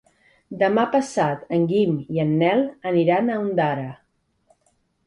Demà passat en Guim i en Nel aniran a Ondara.